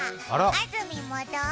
あずみもどう？